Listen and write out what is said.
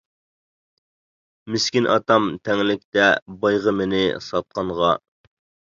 مىسكىن ئاتام تەڭلىكتە، بايغا مېنى ساتقانغا.